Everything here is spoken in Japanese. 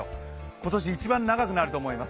今年一番長くなると思います。